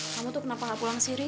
kamu tuh kenapa gak pulang sih ri